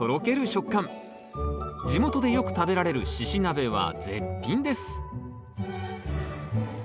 地元でよく食べられる「しし鍋」は絶品ですえ？